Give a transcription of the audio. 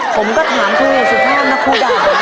ผมก็ถามครูอย่างสุดท้อนนะครู